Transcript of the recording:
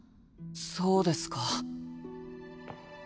そうですか。